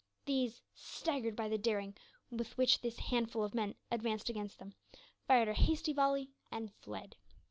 These, staggered by the daring with which this handful of men advanced against them, fired a hasty volley and fled.